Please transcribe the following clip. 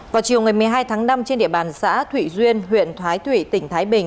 vào chiều ngày một mươi hai tháng năm trên địa bàn xã thụy duyên huyện thoái thủy tỉnh thái bình